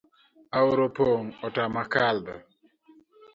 Aora opong' otama kadho